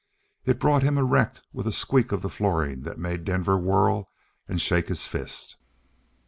It brought him erect with a squeak of the flooring that made Denver whirl and shake his fist.